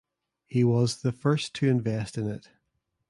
He was the first to invest in it.